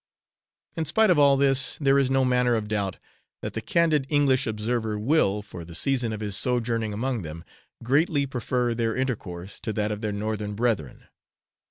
In spite of all this, there is no manner of doubt that the 'candid English observer' will, for the season of his sojourning among them, greatly prefer their intercourse to that of their Northern brethren.